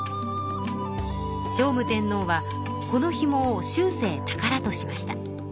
聖武天皇はこのひもを終生たからとしました。